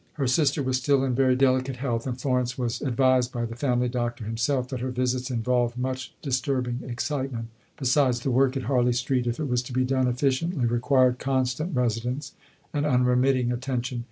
Her sister was still in very delicate health, and Florence was advised, by the family doctor himself, that her visits involved much disturbing excitement. Besides, the work at Harley Street, if it was to be done efficiently, required constant residence and unremitting attention.